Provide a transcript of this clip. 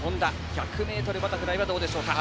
１００ｍバタフライはどうでしょうか。